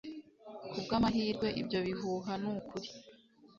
kubwamahirwe, ibyo bihuha nukuri